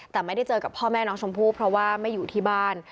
แต่ไม่ได้เจอกับพ่อแม่น้องชมพู่เพราะว่าไม่อยู่ที่บ้าน